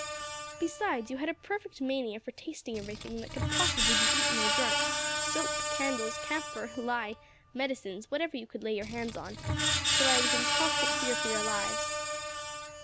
"Besides, you had a perfect mania for tasting everything that could possibly be eaten or drunk soap, candles, camphor, lye, medicines whatever you could lay your hands on till I was in constant fear for your lives."